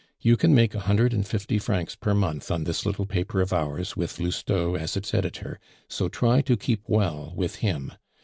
You can make a hundred and fifty francs per month on this little paper of ours with Lousteau as its editor, so try to keep well with him.